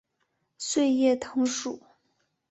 穗叶藤属。